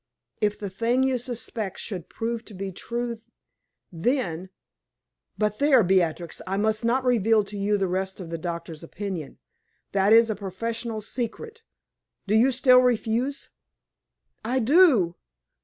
If the thing you suspect should prove to be true, then ' But there, Beatrix, I must not reveal to you the rest of the doctor's opinion. That is a professional secret. Do you still refuse?" "I do."